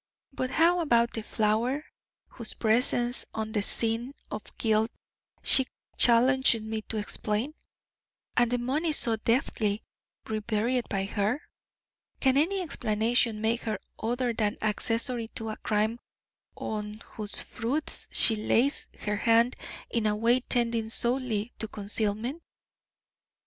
But how about the flower whose presence on the scene of guilt she challenges me to explain? And the money so deftly reburied by her? Can any explanation make her other than accessory to a crime on whose fruits she lays her hand in a way tending solely to concealment?